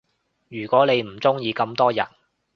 如果你唔鐘意咁多人